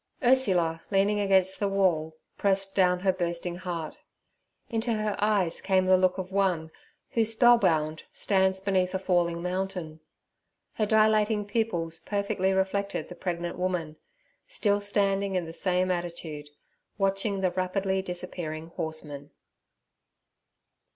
Ursula, leaning against the wall, pressed down her bursting heart. Into her eyes came the look of one who, spellbound, stands beneath a falling mountain. Her dilating pupils perfectly reflected the pregnant woman, still standing in the same attitude, watching the rapidly disappearing horseman.